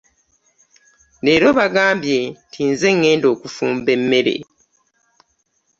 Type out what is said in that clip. Leero bagambye nze agenda okufumba emmere.